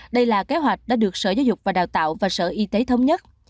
đây là kế hoạch đã được sở giáo dục và đào tạo và sở y tế thống nhất